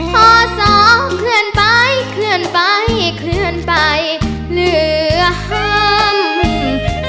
พอสองเคลื่อนไปเคลื่อนไปเคลื่อนไปเหนือห้อง